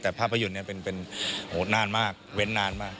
แต่ภาพยนตร์เนี่ยเป็นนานมากเว้นนานมาก